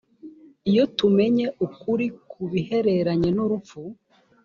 iyo tumenye ukuri ku bihereranye n urupfu